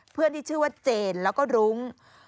เพื่อนที่ชื่อว่าเจนแล้วก็รุ้ง